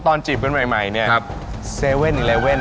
ตอนจีบกันใหม่เนี่ย